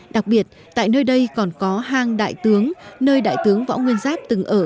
đặc biệt tại nơi đây còn có hang đại tướng nơi đại tướng võ nguyên giáp từng ở